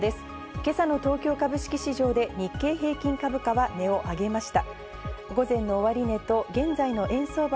今朝の東京株式市場で日経平均株価は値を上げました。